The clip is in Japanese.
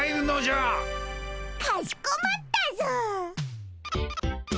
かしこまったぞ！